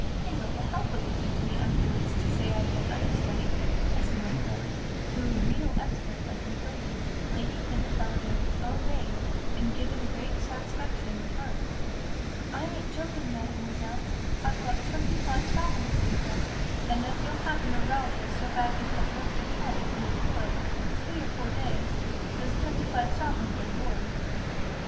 Think of the help it would be to me afterwards to say I'd been understudy, as you might call it, to a real expert like Mathilde, Lady Henry Borrowdaile's own maid, and given great satisfaction in the part! It might mean a good place for me. I ain't jokin', mademoiselle. I've got twenty five sovereigns saved up, and if you'll have neuralgia so bad you can't lift your head from the pillow for three or four days, those twenty five sovereigns are yours."